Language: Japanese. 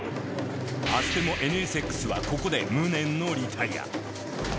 アステモＮＳＸはここで無念のリタイア。